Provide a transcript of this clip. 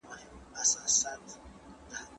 د خپل بلال په آذانونو ویښوم درسره